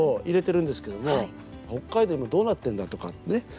入れてるんですけど北海道、今どうなっているんだとか。